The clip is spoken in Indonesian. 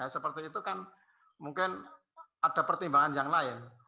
seperti itu kan mungkin ada pertimbangan yang lain